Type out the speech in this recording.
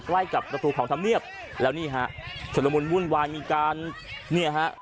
ใกล้กับประตูของธรรมเนียบแล้วนี่ฮะชุดละมุนวุ่นวายมีการเนี่ยฮะ